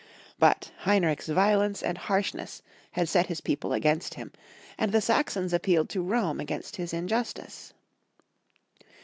But Heinrich's violence and harshness had set his people against him, and the Saxons appealed to Rome against his injustice.